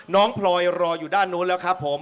พลอยรออยู่ด้านนู้นแล้วครับผม